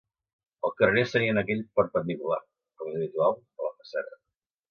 El carener seria en aquell perpendicular, com és habitual, a la façana.